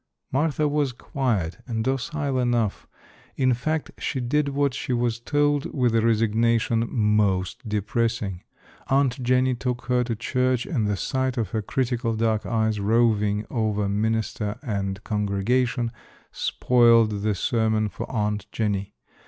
Martha was quiet and docile enough. In fact she did what she was told with a resignation most depressing. Aunt Jenny took her to church and the sight of her critical dark eyes roving over minister and congregation spoiled the sermon for Aunt Jenny.